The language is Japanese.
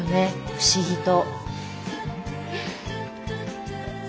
不思議と。